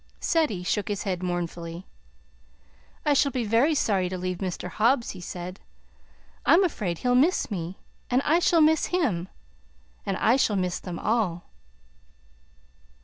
Ceddie shook his head mournfully. "I shall be very sorry to leave Mr. Hobbs," he said. "I'm afraid he'll miss me, and I shall miss him. And I shall miss them all."